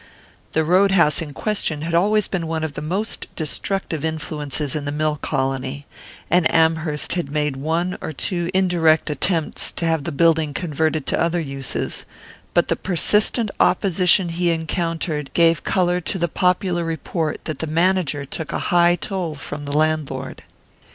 The road house in question had always been one of the most destructive influences in the mill colony, and Amherst had made one or two indirect attempts to have the building converted to other uses; but the persistent opposition he encountered gave colour to the popular report that the manager took a high toll from the landlord.